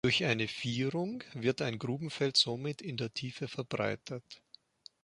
Durch eine Vierung wird ein Grubenfeld somit in der Tiefe verbreitert.